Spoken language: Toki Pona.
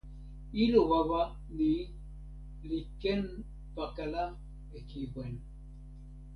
ilo wawa ni li ken pakala e kiwen.